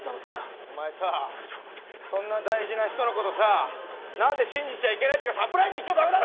お前さ、そんな大事な人のことなんで信じちゃいけないってというかサプライズ言っちゃダメだろ！